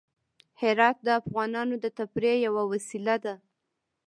هرات د افغانانو د تفریح یوه وسیله ده.